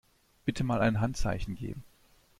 Bitte mal ein Handzeichen geben.